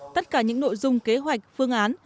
tất cả những nội dung kế hoạch phương án